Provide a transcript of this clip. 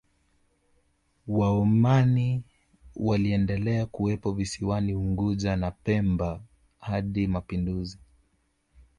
Waomani waliendelea kuwepo visiwani Unguja na Pemba hadi mapinduzi